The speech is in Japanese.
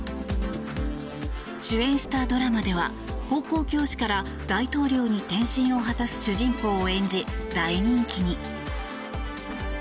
主演したドラマでは高校教師から大統領に転身を果たす主人公を演じ大人気に。